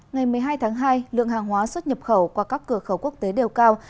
ngày một mươi hai tháng hai lượng hàng hóa xuất nhập khẩu qua các cửa khẩu quốc tế đều cao